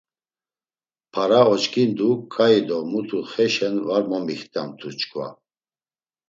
Para oç̌ǩindu ǩai do mutu xeşen var momixtamt̆u çkva.